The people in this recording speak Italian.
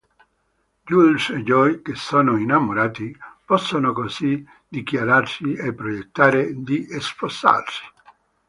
Jules e Joy, che sono innamorati, possono così dichiararsi e progettare di sposarsi.